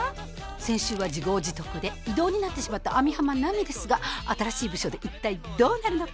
先週は自業自得で異動になってしまった網浜奈美ですが新しい部署で一体どうなるのか？